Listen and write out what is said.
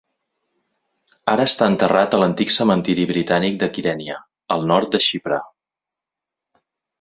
Ara està enterrat a l'antic cementiri britànic de Kyrenia, al nord de Xipre.